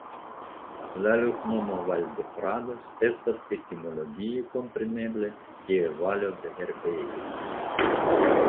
La loknomo "Valdeprados" estas etimologie komprenebla kiel Valo de Herbejoj.